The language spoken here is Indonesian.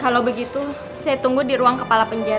kalau begitu saya tunggu di ruang kepala penjara